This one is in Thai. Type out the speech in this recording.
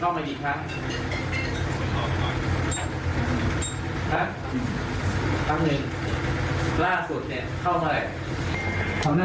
ไม่รู้ตัวค่ะ